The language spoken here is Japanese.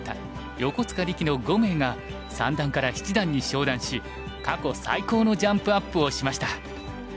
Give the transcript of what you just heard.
横塚力の５名が三段から七段に昇段し過去最高のジャンプアップをしました。